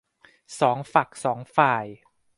สองฝักสองฝ่าย